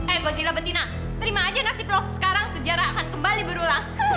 eh godzilla betina terima aja nasib lo sekarang sejarah akan kembali berulang